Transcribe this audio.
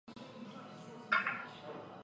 另外写入速度有微小的降低。